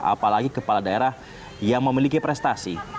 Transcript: apalagi kepala daerah yang memiliki prestasi